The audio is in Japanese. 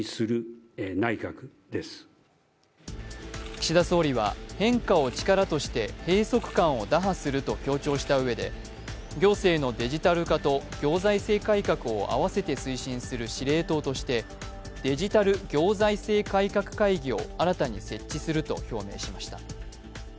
岸田総理は変化を力として閉塞感を打破すると強調したうえで行政のデジタル化と行財政改革をあわせて推進する司令塔としてデジタル行財政改革会議を新たに設置すると表明しました。